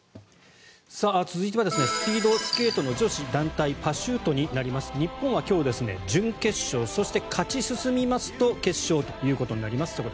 続いてはスピードスケートの女子団体パシュートになります日本は今日、準決勝そして勝ち進みますと決勝ということになります。